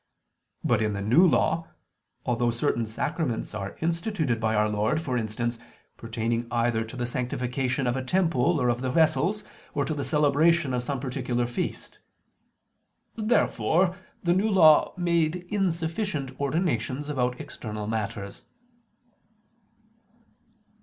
But in the New Law, although certain sacraments are instituted by Our Lord; for instance, pertaining either to the sanctification of a temple or of the vessels, or to the celebration of some particular feast. Therefore the New Law made insufficient ordinations about external matters.